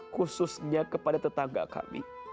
khususnya kepada tetangga kami